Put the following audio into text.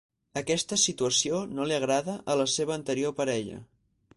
Aquesta situació no li agrada a la seva anterior parella.